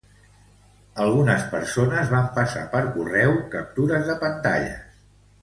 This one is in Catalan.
Algunes persones van passar per correu captures de pantalles